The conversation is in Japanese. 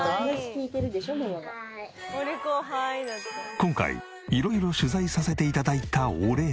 今回色々取材させて頂いたお礼に。